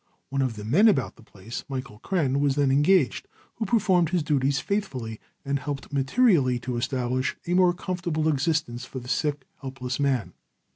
One of the men about the place, Michael Kren, was then engaged, who performed his duties faithfully, and helped materially to establish a more comfortable existence for the sick, helpless man.